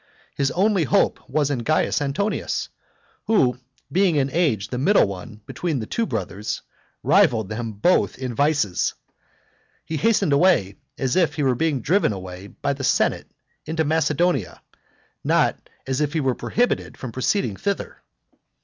His only hope was in Caius Antonius; who being in age the middle one between his two brothers, rivalled both of them in vices. He hastened away as if he were being driven away by the senate into Macedonia, not as if he were prohibited from proceeding thither.